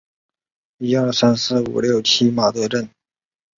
朱德故居位于马鞍镇。